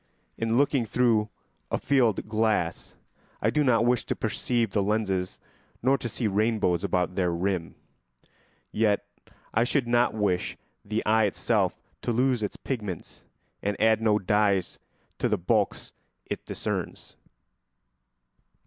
In looking through a field glass I do not wish to perceive the lenses nor to see rainbows about their rim; yet I should not wish the eye itself to lose its pigments and add no dyes to the bulks it discerns.